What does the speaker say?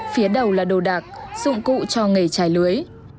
phía đầu là đồ đạc dụng cụ cho nghề chai lưới